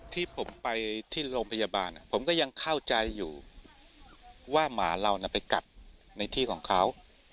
ที่ผมไปที่โรงพยาบาลผมก็ยังเข้าใจอยู่ว่าหมาเราไปกัดในที่ของเขา